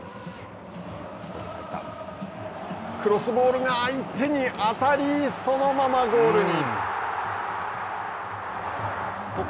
クロスボールが相手に当たりそのままゴールに。